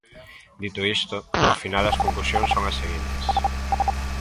Dito isto, ao final as conclusións son as seguintes.